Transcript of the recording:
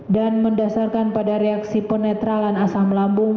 dan mendasarkan pada reaksi penetralan asam lambung